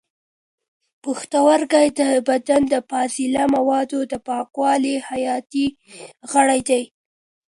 پښتورګي د بدن د فاضله موادو د پاکولو حیاتي غړي دي.